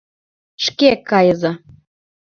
— Шке кайыза!